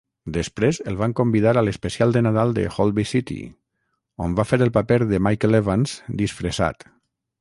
Després el van convidar a l'especial de Nadal de "Holby City", on va fer el paper de Michael Evans disfressat.